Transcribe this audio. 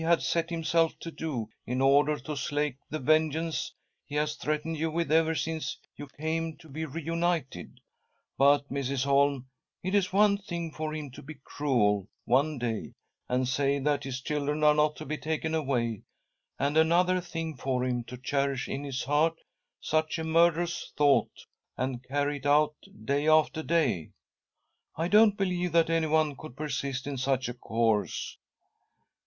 had set himself to do, in order to slake the vengeance he has threatened you with ever since you came to be reunited. But, Mrs. Holm, it is one thing for Mm to be cruel one day and say that his children are 168 '■— t ■'.■■'•'— DAVID HOLM RETURNS TO PRISON 169 not to be taken away, and another thing for him to cherish in his heart such a murderous thought and carry it out day after day. I don't believe that anyone could persist in such a course."